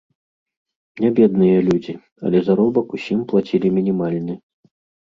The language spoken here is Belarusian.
Нябедныя людзі, але заробак усім плацілі мінімальны.